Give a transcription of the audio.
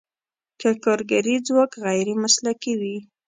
که کارګري ځواک غیر مسلکي وي.